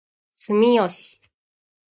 住吉